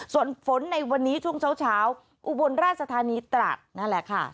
ส่วนฝนในวันนี้ช่วงเช้าอุบลราชธานีตรัสนั่นแหละค่ะ